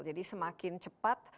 jadi semakin cepat